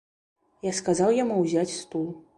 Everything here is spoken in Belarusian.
Я сказаў яму ўзяць стул.